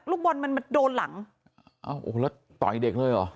รุ่งบอลมันมันโดนหลังโอ้โหแล้วต่ออีกเด็กเลยเหรอ